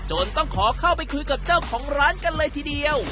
ต้องขอเข้าไปคุยกับเจ้าของร้านกันเลยทีเดียว